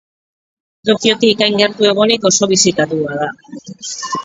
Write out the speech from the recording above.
Tokiotik hain gertu egonik oso bisitatua da.